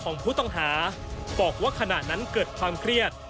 ของผู้ต้องหาบอกว่าขณะนั้นเกิดความเครียด